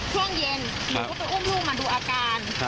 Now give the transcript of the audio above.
ช่วงเย็นหนูก็ไปอุ้มลูกมาดูอาการ